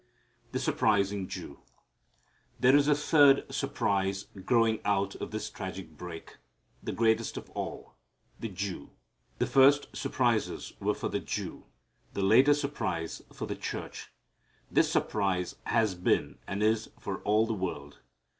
The Surprising Jew. There is a third surprise growing out of this tragic break, the greatest of all the Jew. The first surprises were for the Jew, the later surprise for the church; this surprise has been and is for all the world.